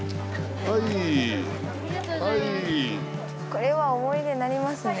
これは思い出になりますね